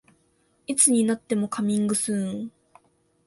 いつになってもカミングスーン